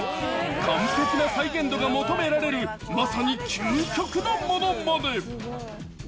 完璧な再現度が求められるまさに究極のものまね。